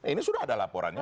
ini sudah ada laporannya